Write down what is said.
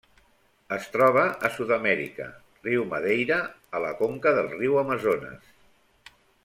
Es troba a Sud-amèrica: riu Madeira a la conca del riu Amazones.